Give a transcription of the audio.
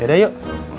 ya udah yuk